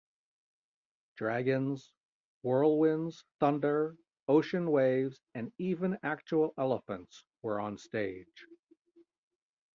Dragons, whirlwinds, thunder, ocean waves and even actual elephants were on stage.